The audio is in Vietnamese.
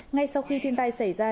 ngay sau khi thiên tai xảy ra